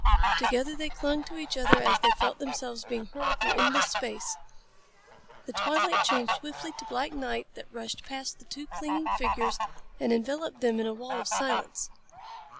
Together they clung to each other as they felt themselves being hurled through endless space. The twilight changed swiftly to black night that rushed past the two clinging figures and enveloped them in a wall of silence.